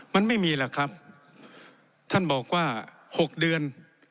มันไม่มีหรอกครับท่านบอกว่า๖เดือน